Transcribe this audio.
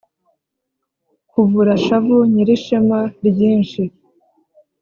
Kavura-shavu Nyirishema ryinshi,